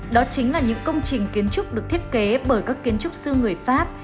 đó chính là những công trình kiến trúc được thiết kế bởi các kiến trúc sư người pháp